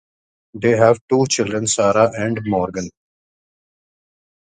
They have two children, Sarah and Morgan.